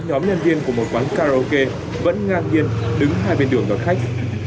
nhóm nhân viên của một quán karaoke vẫn ngang nhiên đứng hai bên đường đón khách